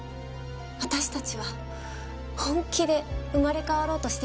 私たちは本気で生まれ変わろうとしていました。